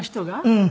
うん。